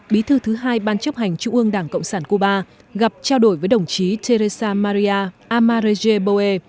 bí thư thứ hai ban chấp hành trung ương đảng cộng sản cuba gặp trao đổi với đồng chí teresa maria amareje boe